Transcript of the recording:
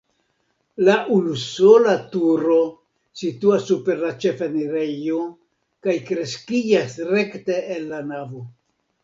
La unusola turo situas super la ĉefenirejo kaj kreskiĝas rekte el la navo.